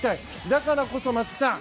だからこそ松木さん